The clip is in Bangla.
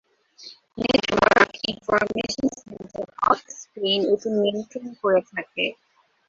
Network information centre of Spain এটি নিয়ন্ত্রণ করে থাকে।